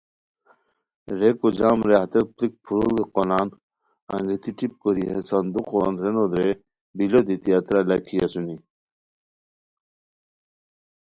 ریکو جام رے ہتیت پڑیک پھوروڑی قونان انگیتی ٹیپ کوری ہے صندوقو اندرینو درے بِیلو دیتی ہتیرا لاکھی اسونی